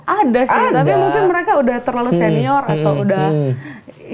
ada sih tapi mungkin mereka udah terlalu senior atau udah